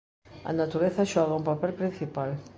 A natureza xoga un papel principal.